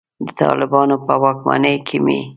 د طالبانو په واکمنۍ کې مې.